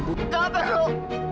kamu gak perlu